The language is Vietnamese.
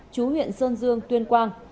chú huyện sơn dương tuyên quang